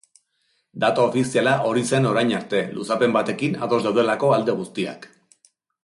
Data ofiziala hori zen orain arte, luzapen batekin ados daudelako alde guztiak.